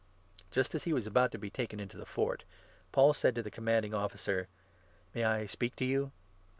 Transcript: Just as he was about to be taken into the Fort, Paul said to 37 the Commanding Officer :" May I speak to you